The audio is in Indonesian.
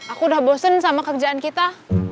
aku udah bosen sama kerjaan kita